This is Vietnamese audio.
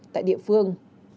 tại địa phương